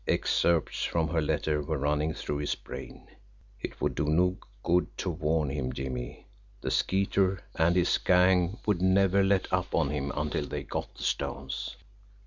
Excerpts from her letter were running through his brain: "It would do no good to warn him, Jimmie the Skeeter and his gang would never let up on him until they got the stones.